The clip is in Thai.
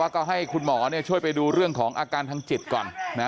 ก็ให้คุณหมอช่วยไปดูเรื่องของอาการทางจิตก่อน